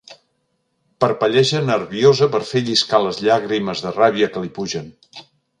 Parpelleja nerviosa per fer lliscar les llàgrimes de ràbia que li pugen.